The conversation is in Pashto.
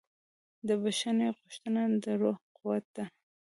د بښنې غوښتنه د روح قوت ده.